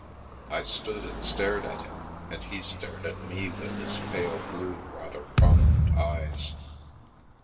I stood and stared at him, and he stared at me with his pale blue, rather prominent eyes.